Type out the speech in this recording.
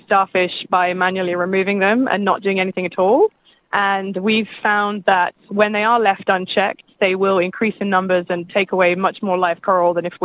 bagaimana mereka mengurangi populasi bintang laut berduri